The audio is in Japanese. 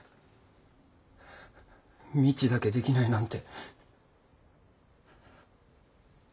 みちだけできないなんて。